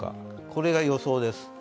これが予想です。